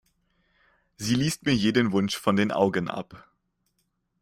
Sie liest mir jeden Wunsch von den Augen ab.